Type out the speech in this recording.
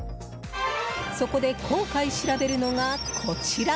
そこで、今回調べるのがこちら。